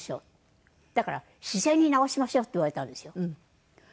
だから自然に治しましょうって言われたんですよ。